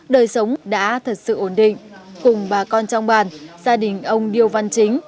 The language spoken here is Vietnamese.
đời sống đã thật sự ổn định cùng bà con trong bàn gia đình ông điêu văn chính